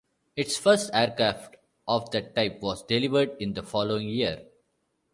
Its first aircraft of that type was delivered in the following year.